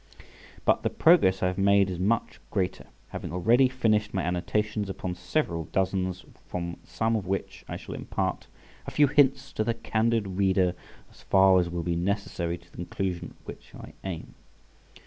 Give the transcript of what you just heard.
But the progress I have made is much greater, having already finished my annotations upon several dozens from some of which I shall impart a few hints to the candid reader, as far as will be necessary to the conclusion at which I aim.